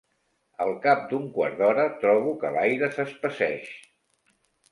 Al cap d'un quart d'hora trobo que l'aire s'espesseeix.